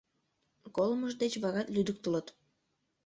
Колымыж деч варат лӱдыктылыт...